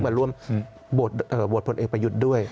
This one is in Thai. ก็รวมโบสถ์พลังเองไปหยุดด้วย